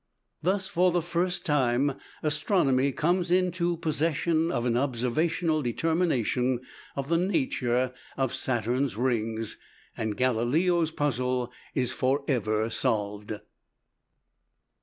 Thus, for the first time, astronomy comes into possession of an observational determination of the nature of Saturn's rings, and Galileo's puzzle is forever solved.